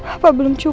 apa belum cukup